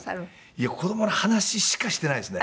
いや子供の話しかしてないですね。